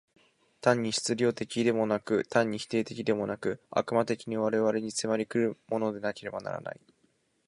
単に質料的でもなく、単に否定的でもなく、悪魔的に我々に迫り来るものでなければならない。